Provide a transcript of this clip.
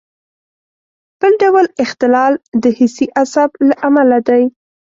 بل ډول اختلال د حسي عصب له امله دی.